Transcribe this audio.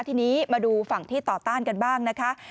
ทีนี้มาดูฝั่งที่ต่อต้านกันบ้างนะคะ